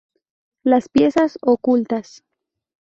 Las piezas ocultas.